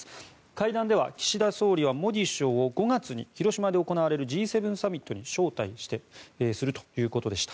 会談では、岸田総理はモディ首相を、５月に広島で行われるＧ７サミットに招待するということでした。